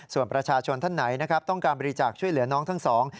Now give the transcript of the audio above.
ส่วนประชาชนท่านไหนนะครับต้องการบริจาคช่วยเหลือน้องทั้งสอง